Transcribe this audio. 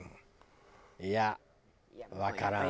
いやわからん。